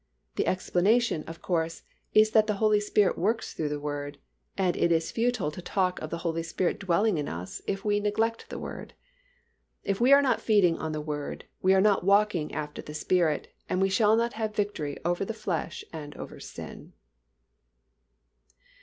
The explanation, of course, is that the Holy Spirit works through the Word, and it is futile to talk of the Holy Spirit dwelling in us if we neglect the Word. If we are not feeding on the Word, we are not walking after the Spirit and we shall not have victory over the flesh and over sin.